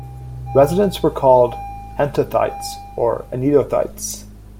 Residents were called Antothites or Anetothites.